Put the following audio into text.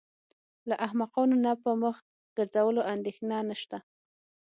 له احمقانو نه په مخ ګرځولو اندېښنه نشته.